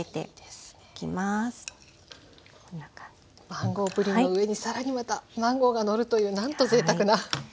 マンゴープリンの上に更にまたマンゴーがのるというなんとぜいたくな。